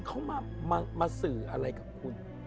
เขามาสื่ออะไรกับคุณ